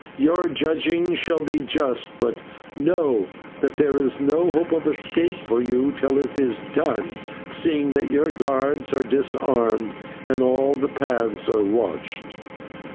Your judging shall be just, but know that there is no hope of escape for you till it is done, seeing that your guards are disarmed, and all the paths are watched."